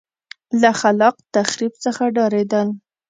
له خلاق تخریب څخه ډارېدل.